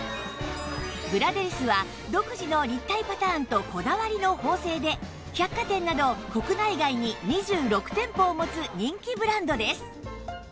ブラデリスは独自の立体パターンとこだわりの縫製で百貨店など国内外に２６店舗を持つ人気ブランドです